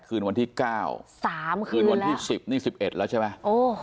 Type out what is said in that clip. คืนวันที่เก้าสามคืนวันที่สิบนี่สิบเอ็ดแล้วใช่ไหมโอ้